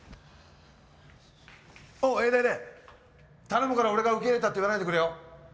おい永大出頼むから俺が受け入れたって言わないでくれよ